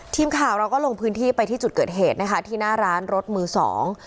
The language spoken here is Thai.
ทีมข่าวเราก็ลงพื้นที่ไปที่จุดเกิดเหตุนะคะที่หน้าร้านรถมือสอง